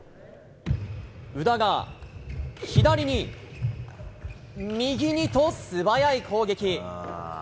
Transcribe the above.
宇田が、左に、右にと素早い攻撃。